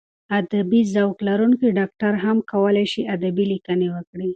ادبي ذوق لرونکی ډاکټر هم کولای شي ادبي لیکنې وکړي.